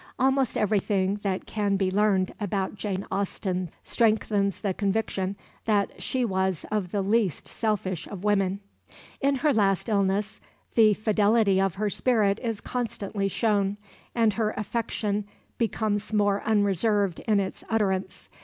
Almost everything that can be learned about Jane Austen strengthens the conviction that she was one of the least selfish of women. In her last illness the fidelity of her spirit is constantly shown, and her affection becomes more unreserved in its utterance.